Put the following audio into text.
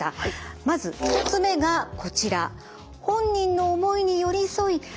まず１つ目がこちら。